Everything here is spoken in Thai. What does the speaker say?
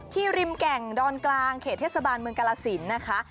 ริมแก่งดอนกลางเขตเทศบาลเมืองกาลสินนะคะ